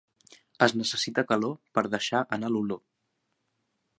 Es necessita calor per deixar anar l'olor.